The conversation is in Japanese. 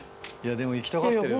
でも行きたがってるよ